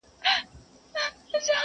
وايه څرنگه پرته وي پړسېدلې!.